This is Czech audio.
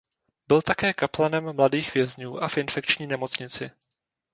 Byl také kaplanem mladých vězňů a v infekční nemocnici.